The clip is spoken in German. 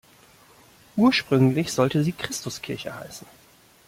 Ursprünglich sollte sie Christuskirche heißen.